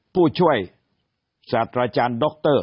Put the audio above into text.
ผู้ช่วยศาสตราจารย์ด็อกเตอร์